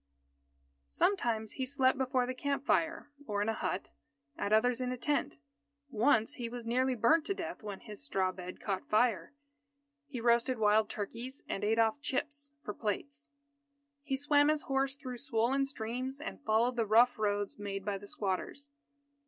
Sometimes he slept before the camp fire or in a hut, at others in a tent. Once, he was nearly burnt to death when his straw bed caught fire. He roasted wild turkeys, and ate off chips for plates. He swam his horse through swollen streams, and followed the rough roads made by the squatters.